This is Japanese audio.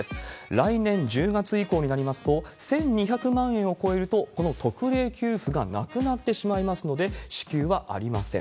来年１０月以降になりますと、１２００万円を超えると、この特例給付がなくなってしまいますので、支給はありません。